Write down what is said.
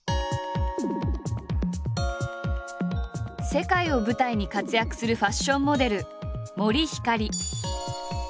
世界を舞台に活躍するファッションモデル森星。